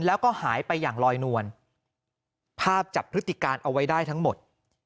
แล้วก็หายไปอย่างลอยนวลภาพจับพฤติการเอาไว้ได้ทั้งหมด